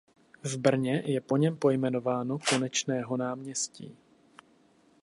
V Brně je po něm pojmenováno Konečného náměstí.